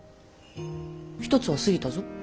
１つはすぎたぞ。